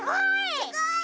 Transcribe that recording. すごい！